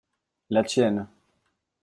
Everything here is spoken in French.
La tienne.